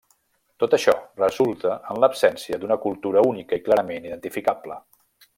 Tot això resulta en l'absència d'una cultura única i clarament identificable.